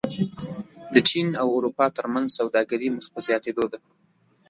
د چین او اروپا ترمنځ سوداګري مخ په زیاتېدو ده.